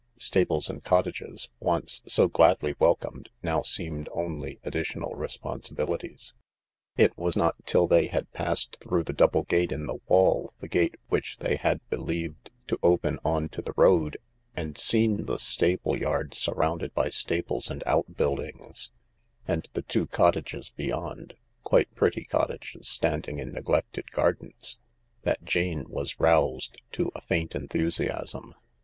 Stables and cottages, once so gladly welcomed, now seemed only additional responsibilities. It was not till they had passed through the double gate in the wall — the gate which they had believed to open on to the road — and seen the stable yard surrounded by stables and outbuildings, and the two cottages beyond— quite pretty cottages standing in neglected gardens— that Jane was roused to a faint enthusiasm.